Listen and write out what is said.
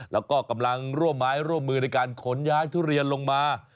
แล้วก็กำลังร่วมไม้ร่วมมือในการขนย้ายทุเรียนลงมา